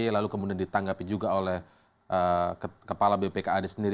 lalu kemudian ditanggapi juga oleh kepala bpkad sendiri